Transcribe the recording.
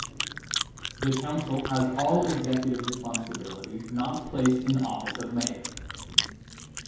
The Council has all executive responsibility not placed in office of mayor.